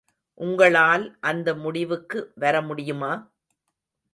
உங்களால் அந்த முடிவுக்கு வர முடியுமா?